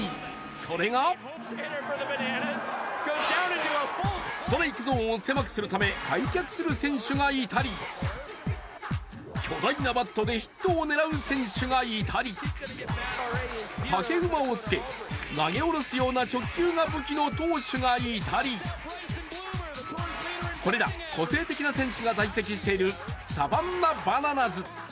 それがストライクゾーンを狭くするため開脚する選手がいたり巨大なバットでヒットを狙う選手がいたり、竹馬をつけ、投げ下ろすような直球が武器の投手がいたりこれら個性的な選手が在籍しているサバンナバナナズ。